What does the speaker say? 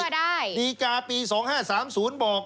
ตามที่นิกาปี๒๕๓๐บอก